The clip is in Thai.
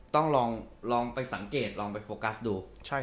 ต้องลองไปสังเกตลองไปโฟกัสดู